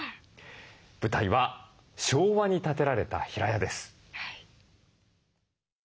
舞台は昭和に建てられた平屋です。